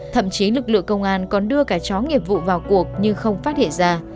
thậm chí lực lượng công an còn đưa cả chó nghiệp vụ vào cuộc nhưng không phát hiện ra